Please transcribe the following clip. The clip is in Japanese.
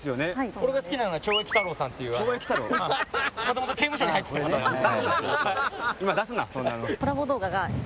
俺が好きなのは懲役太郎さんっていうもともと刑務所に入ってた方だね。